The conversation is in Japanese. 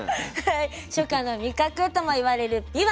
初夏の味覚ともいわれるびわ。